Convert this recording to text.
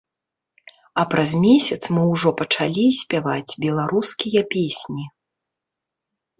А праз месяц мы ўжо пачалі спяваць беларускія песні.